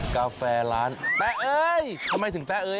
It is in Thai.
กาแฟร้านแต๊เอ้ยทำไมถึงแป๊เอ้